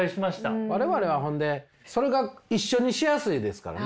我々はほんでそれが一緒にしやすいですからね。